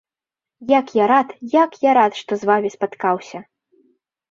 Як я рад, як я рад, што з вамі спаткаўся.